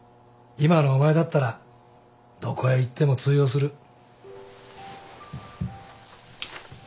今のお前だったらどこへ行っても通用する。